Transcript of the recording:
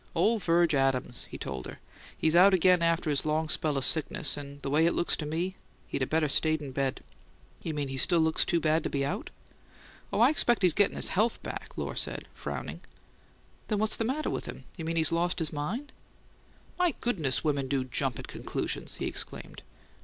"Ole Virg Adams," he told her. "He's out again after his long spell of sickness, and the way it looks to me he'd better stayed in bed." "You mean he still looks too bad to be out?" "Oh, I expect he's gettin' his HEALTH back," Lohr said, frowning. "Then what's the matter with him? You mean he's lost his mind?" "My goodness, but women do jump at conclusions!" he exclaimed.